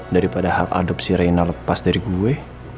daripada adopsi reina lepas dari gue